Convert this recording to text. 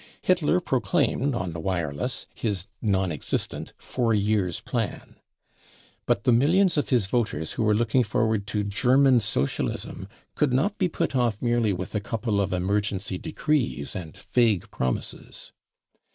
Hitler proclaimed on the wireless his non existent " Four Years Plan." But the mil lions of his voters who were looking forward to u German socialism 55 could not be put off merely with a couple of 1 emergency decrees and vague promises.